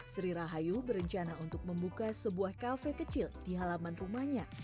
sri rahayu berencana untuk membuka sebuah kafe kecil di halaman rumahnya